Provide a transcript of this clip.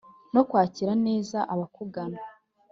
no kwakira neza abakugana,